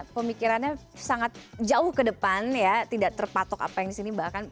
pemikirannya sangat jauh ke depan ya tidak terpatok apa yang disini bahkan